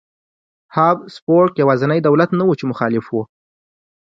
هابسبورګ یوازینی دولت نه و چې مخالف و.